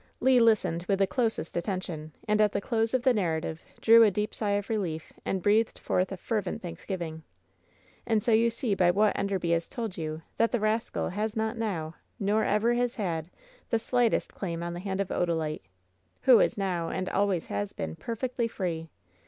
Le listened with the closest attention, and at the close of the narrative drew a deep sigh of relief and breathed forth a fervent thanksgiving. "And so you see by what Enderby has told you, that the rascal has not now, nor ever has had, the slightest claim on the hand of Odalite, who is now, and always has been, perfectly free.